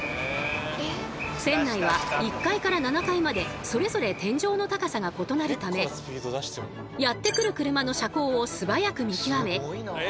船内は１階から７階までそれぞれ天井の高さが異なるためやって来る車の車高を素早く見極め行き先を手で示しているんです。